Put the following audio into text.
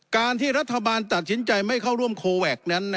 การที่รัฐบาลตัดสินใจไม่เข้าร่วมโคแวคนั้น